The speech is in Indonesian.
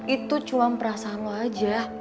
itu cuam perasaan gue